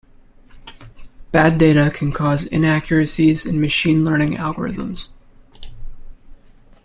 Bad data can cause inaccuracies in machine learning algorithms.